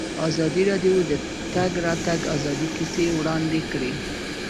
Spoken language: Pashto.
ازادي راډیو د د تګ راتګ ازادي کیسې وړاندې کړي.